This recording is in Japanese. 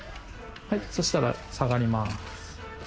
そしたら下がります。